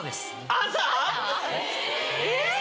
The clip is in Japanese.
朝⁉えっ⁉